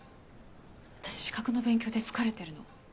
私資格の勉強で疲れてるの。